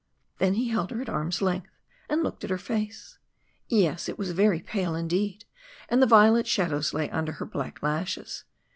Then he held her at arms' length and looked at her face. Yes, it was very pale indeed, and the violet shadows lay under her black lashes.